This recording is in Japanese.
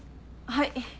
はい。